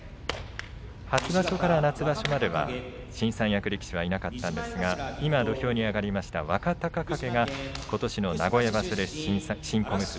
初場所から夏場所までは新三役力士はいなかったんですが今、土俵に上がりました若隆景がことしの名古屋場所で新小結。